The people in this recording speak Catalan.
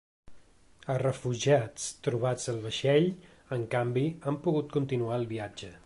Els refugiats trobats al vaixell, en canvi, han pogut continuar el viatge.